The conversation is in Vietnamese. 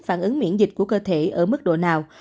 phản ứng miễn dịch của cơ thể ở mức độ nào